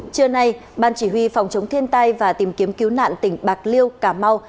trưa nay ban chỉ huy phòng chống thiên tai và tìm kiếm cứu nạn tỉnh bạc liêu cà mau